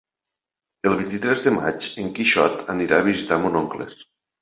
El vint-i-tres de maig en Quixot anirà a visitar mon oncle.